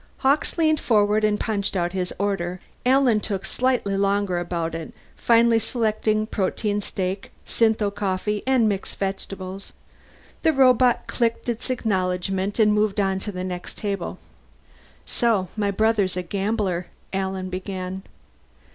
Hawkes leaned forward and punched out his order; Alan took slightly longer about it, finally selecting protein steak, synthocoffee, and mixed vegetables. The robot clicked its acknowledgement and moved on to the next table. "So my brother's a gambler," Alan began.